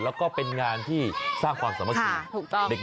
แล้วก็เป็นงานที่สร้างความสามารถสูง